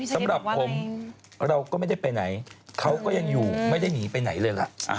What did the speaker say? สำหรับผมเราก็ไม่ได้ไปไหนเขาก็ยังอยู่ไม่ได้หนีไปไหนเลยล่ะ